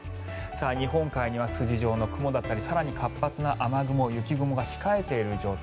日本海には筋状の雲だったり更に活発な雨雲、雪雲が控えている状態。